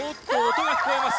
音が聞こえます。